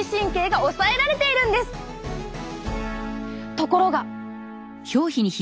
ところが！